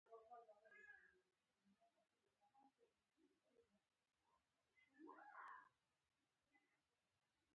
مضرو کارونو یو مثال درکړم.